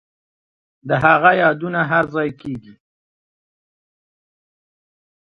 د هغه یادونه هرځای کیږي